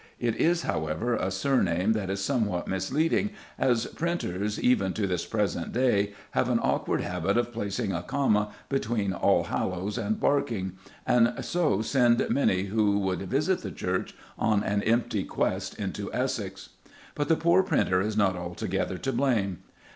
It is, however, a surname that is somewhat misleading, as printers, even to this present day, have an awkward habit of placing a comma between "Allhallows" and "Barking" and so send many who would visit the church on an empty quest into Essex. But the poor printer is not altogether to blame.